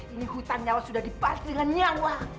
ini hutan nyawa sudah dibuat dengan nyawa